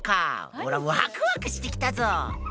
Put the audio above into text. オラワクワクしてきたぞ！